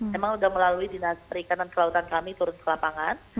memang sudah melalui dinas perikanan kelautan kami turun ke lapangan